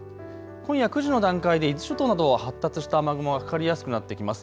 今夜９時の段階で伊豆諸島など発達した雨雲かかりやすくなってきます。